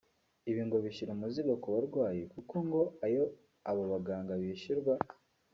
Ibi ngo bishyira umuzigo ku barwayi kuko ngo ayo abo baganga bishyurwa